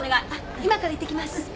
今から行ってきます。